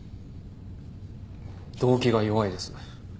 動機が弱いです。